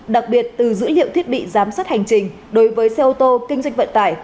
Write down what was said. đặc biệt từ dữ liệu thiết bị giám sát hành trình đối với xe ô tô kinh doanh vận tải